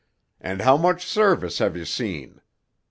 and how much service have you seen?